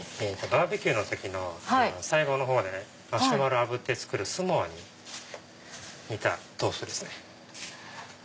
バーベキューの時の最後のほうでマシュマロあぶって作るスモアに似たトーストですね。